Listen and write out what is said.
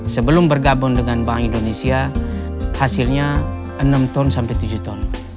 sebelum bergabung dengan bank indonesia hasilnya enam ton sampai tujuh ton